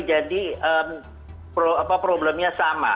jadi problemnya sama